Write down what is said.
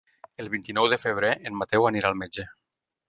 El vint-i-nou de febrer en Mateu anirà al metge.